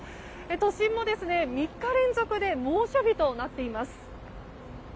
都心も３日連続で猛暑日となっています。